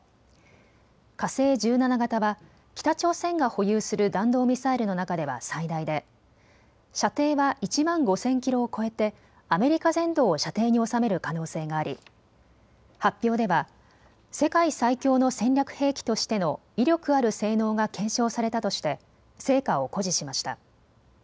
火星１７型は北朝鮮が保有する弾道ミサイルの中では最大で射程は１万５０００キロを超えてアメリカ全土を射程に収める可能性があり発表では世界最強の戦略兵器としての威力ある性能が検証されたとして成果を誇示しました。